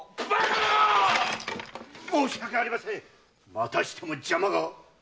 またしても邪魔が。